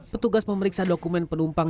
petugas memeriksa dokumen penumpang